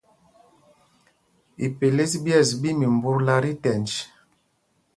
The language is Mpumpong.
Ipelês ɓyes ɓí mimbutla tí tɛnj.